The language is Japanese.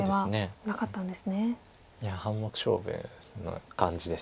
いや半目勝負の感じです。